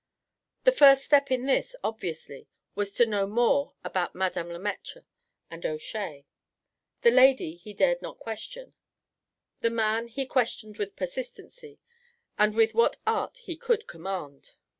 The first step in this, obviously, was to know more about Madame Le Maître and O'Shea. The lady he dared not question; the man he questioned with persistency and with what art he could command.